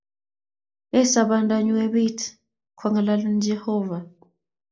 Ee sobondannyu ep iit kong'alalun Jehova.